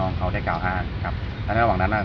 บอกว่าเขาอ้างว่าเขาพบเด็กเนี่ย